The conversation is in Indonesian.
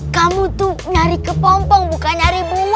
kamu tuh nyari kepompong bukan nyari bumbu